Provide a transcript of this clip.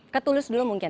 ke tulus dulu mungkin